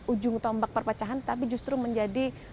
ujung tombak perpecahan tapi justru menjadi